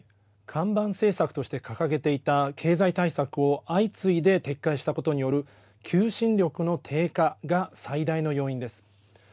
看板政策として掲げていた経済対策を相次いで撤回したことによる求心力の低下が最大の要因です。